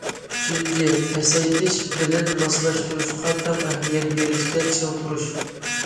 ئۈچىنچى، پەسەيتىش بىلەن ماسلاشتۇرۇشقا تەڭ ئەھمىيەت بېرىشتە چىڭ تۇرۇش.